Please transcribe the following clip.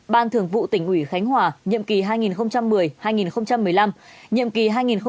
ban thường vụ tỉnh ubnd tỉnh khánh hòa nhiệm kỳ hai nghìn một mươi hai nghìn một mươi năm nhiệm kỳ hai nghìn một mươi năm hai nghìn hai mươi